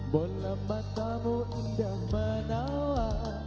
bolam matamu indah menawan